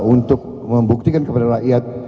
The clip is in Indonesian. untuk membuktikan kepada rakyat